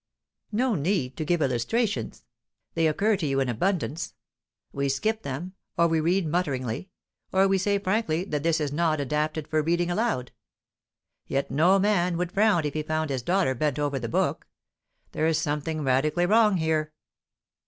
No need to give illustrations; they occur to you in abundance. We skip them, or we read mutteringly, or we say frankly that this is not adapted for reading aloud. Yet no man would frown if he found his daughter bent over the book. There's something radically wrong here."